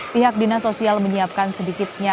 pihak dinasosial menyiapkan sedikitnya